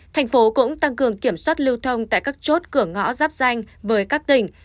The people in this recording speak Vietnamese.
thành phố cũng tăng cường kiểm soát lưu thông tại các chốt cửa ngõ giáp danh với các tỉnh